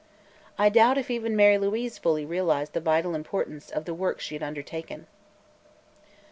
I doubt if even Mary Louise fully realized the vital importance of the work she had undertaken.